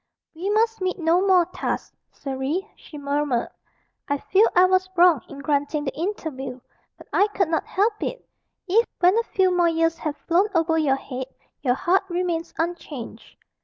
"We must meet no more thus, Surrey," she murmured: "I feel I was wrong in granting the interview, but I could not help it. If, when a few more years have flown over your head, your heart remains unchanged."